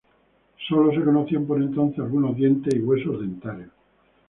Solo se conocían por entonces algunos dientes y huesos dentarios.